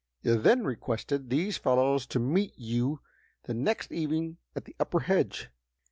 You then requested these fellows to meet you the next evening at the upper hedge.